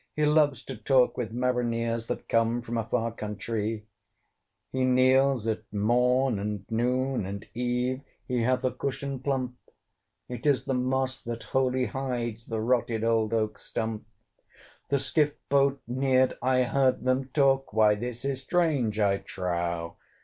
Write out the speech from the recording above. He loves to talk with marineres That come from a far countree. He kneels at morn and noon and eve He hath a cushion plump: It is the moss that wholly hides The rotted old oak stump. The skiff boat neared: I heard them talk, "Why this is strange, I trow!